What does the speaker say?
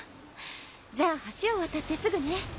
じゃあ橋を渡ってすぐね。